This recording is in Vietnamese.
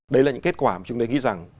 đấy là những kết quả mà chúng tôi nghĩ rằng